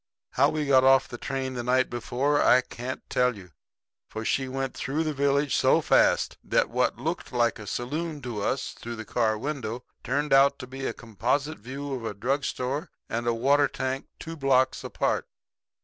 How we got off the train there the night before I can't tell you; for she went through the village so fast that what looked like a saloon to us through the car window turned out to be a composite view of a drug store and a water tank two blocks apart.